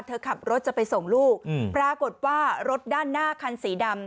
ขับรถจะไปส่งลูกปรากฏว่ารถด้านหน้าคันสีดำ